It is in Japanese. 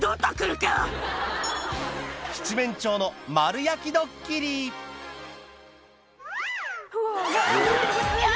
七面鳥の丸焼きドッキリきゃ！